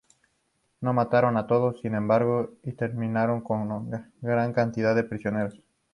No mataron a todos, sin embargo, y terminaron con gran cantidad de prisioneros.